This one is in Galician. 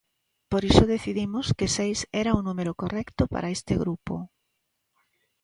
Por iso decidimos que seis era o número correcto para este grupo.